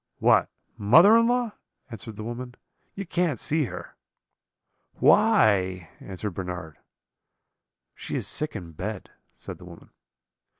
"'What, mother in law?' answered the woman; 'you can't see her.' "'Why?' answered Bernard. "'She is sick in bed,' said the woman.